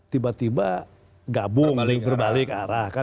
tiba tiba gabung berbalik arah